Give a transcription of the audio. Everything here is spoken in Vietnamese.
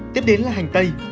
tiếp đến là hành tây